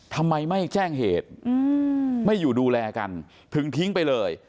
ทำไมไม่แจ้งเหตุไม่อยู่ดูแลกันถึงทิ้งไปเลย